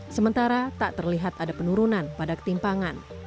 sementara tak terlihat ada penurunan pada ketimpangan